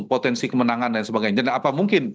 potensi kemenangan dan sebagainya dan apa mungkin